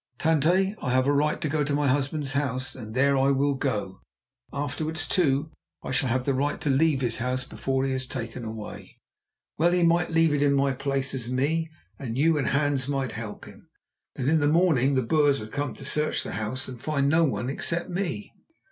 "Tante, I have a right to go to my husband's house, and there I will go. Afterwards, too, I shall have the right to leave his house before he is taken away. Well, he might leave it in my place, as me, and you and Hans might help him. Then in the morning the Boers would come to search the house and find no one except me."